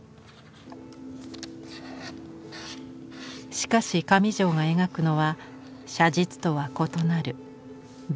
しかし上條が描くのは写実とは異なる別の何か。